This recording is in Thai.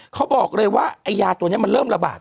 เขาบอกเลยว่าไอ้ยาตัวนี้มันเริ่มระบาด